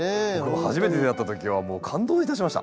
初めて出会った時はもう感動いたしました。